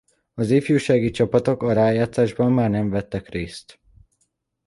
Az ifjúsági csapatok a rájátszásban már nem vettek részt.